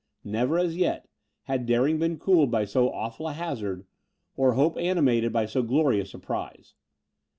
Never, as yet, had daring been cooled by so awful a hazard, or hope animated by so glorious a prize.